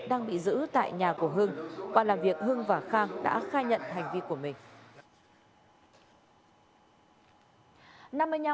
đang bị giữ tại nhà của hưng qua làm việc hưng và khang đã khai nhận hành vi của mình